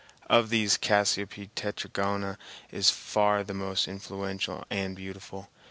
Of these, Cassiope tetragona is far the most influential and beautiful.